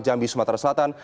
jambi sumatera selatan